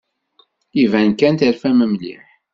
Iban kan terfam mliḥ.